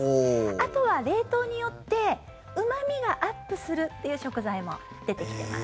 あとは冷凍によってうま味がアップするという食材も出てきてます。